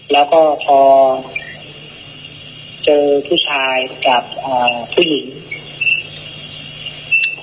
แล้วก็พอเจอผู้ชายกับอ่าผู้หญิง